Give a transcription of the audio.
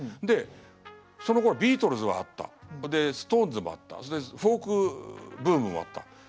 でそのころビートルズはあったストーンズもあったフォークブームもあった。